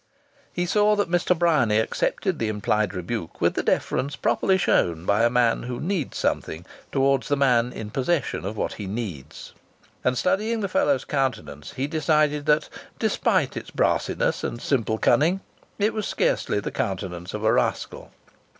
He saw that Mr.. Bryany accepted the implied rebuke with the deference properly shown by a man who needs something towards the man in possession of what he needs. And studying the fellow's countenance, he decided that, despite its brassiness and simple cunning, it was scarcely the countenance of a rascal.